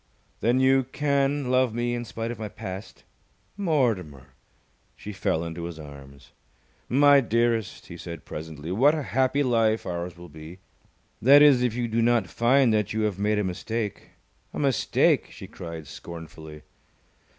"Then you can love me in spite of my past?" "Mortimer!" She fell into his arms. "My dearest," he said presently, "what a happy life ours will be. That is, if you do not find that you have made a mistake." "A mistake!" she cried, scornfully.